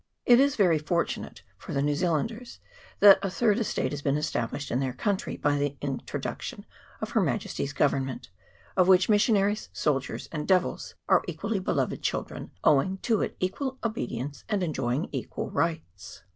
It is very fortunate for the New Zea landers that a third estate has been established in their country by the introduction of Her Majesty's Government, of which missionaries, soldiers, and devils are equally beloved children, owing to it equal obedience, and enjoying equal rights.